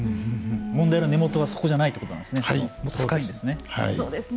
問題の根元はそこじゃないということですね。